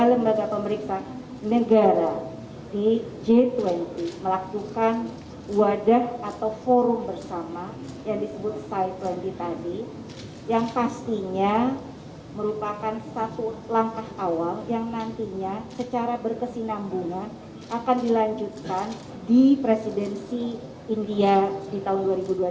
langkah awal yang nantinya secara berkesinambungan akan dilanjutkan di presidensi india di tahun dua ribu dua puluh tiga